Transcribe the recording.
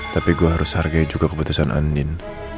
tapi gue harus hargai juga keputusan andin